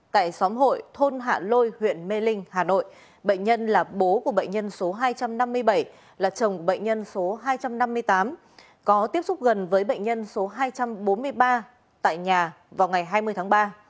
tại xóm hội thôn hạ lôi huyện mê linh hà nội bệnh nhân là bố của bệnh nhân số hai trăm năm mươi bảy là chồng bệnh nhân số hai trăm năm mươi tám có tiếp xúc gần với bệnh nhân số hai trăm bốn mươi ba tại nhà vào ngày hai mươi tháng ba